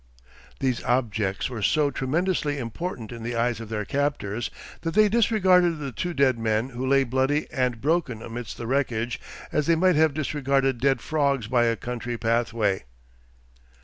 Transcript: These objects were so tremendously important in the eyes of their captors that they disregarded the two dead men who lay bloody and broken amidst the wreckage as they might have disregarded dead frogs by a country pathway.